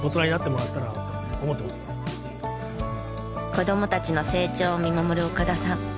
子どもたちの成長を見守る岡田さん。